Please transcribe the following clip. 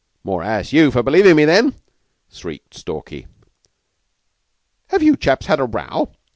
"More ass you for believin' me, then!" shrieked Stalky. "Have you chaps had a row?"